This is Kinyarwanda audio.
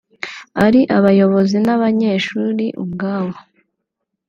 ari abayobozi n’abanyeshuri ubwabo